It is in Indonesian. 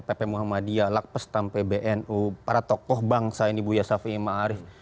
pp muhammadiyah lak pestam pbnu para tokoh bangsa ini bu yasafi ma'arif